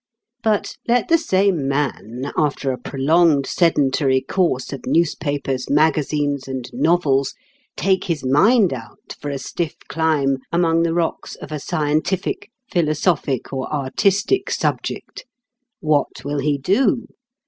But let the same man after a prolonged sedentary course of newspapers, magazines, and novels, take his mind out for a stiff climb among the rocks of a scientific, philosophic, or artistic subject. What will he do?